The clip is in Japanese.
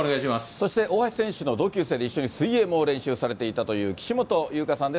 そして大橋選手の同級生で一緒に水泳も練習されたという、岸本悠花さんです。